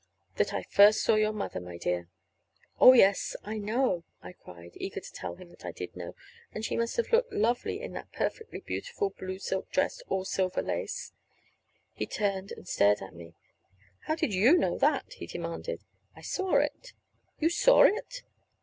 "That I first saw your mother, my dear." "Oh, yes, I know!" I cried, eager to tell him that I did know. "And she must have looked lovely in that perfectly beautiful blue silk dress all silver lace." He turned and stared at me. "How did you know that?" he demanded. "I saw it." "You saw it!"